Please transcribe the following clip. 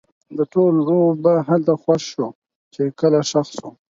د ټولو به هلته خوښ شو؛ چې کله ښخ سو